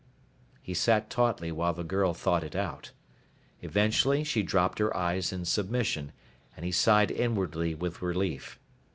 He sat tautly while the girl thought it out. Eventually she dropped her eyes in submission and he sighed inwardly with relief.